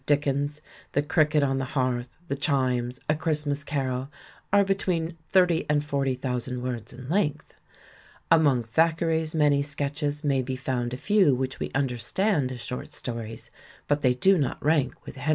Diikeiis — T'^e Crichet on z\c Hi Z' : C i. A Cfiri^mag Carol — IXTRODUCTION ix are between thirty and forty thousand words in length. Among Thackeray's many sketches may be found a few which we understand as short sto ries, but theT do not rank with Hev.